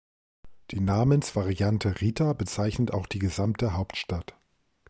Die Namensvariante "Rita" bezeichnet auch die gesamte Hauptstadt.